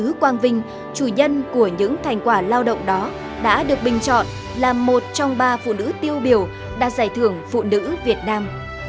nữ quang vinh chủ nhân của những thành quả lao động đó đã được bình chọn là một trong ba phụ nữ tiêu biểu đạt giải thưởng phụ nữ việt nam